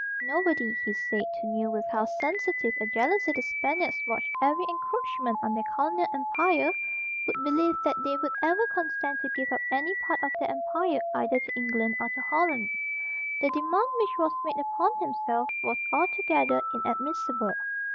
Nobody, he said, who knew with how sensitive a jealousy the Spaniards watched every encroachment on their colonial empire would believe that they would ever consent to give up any part of that empire either to England or to Holland. The demand which was made upon himself was altogether inadmissible.